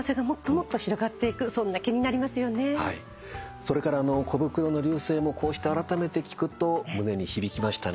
それからコブクロの『流星』もこうしてあらためて聴くと胸に響きましたね。